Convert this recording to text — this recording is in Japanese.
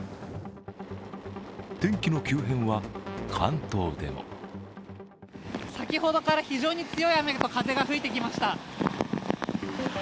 天気の急変は、関東でも先ほどから非常に強い雨と風が吹いてきました。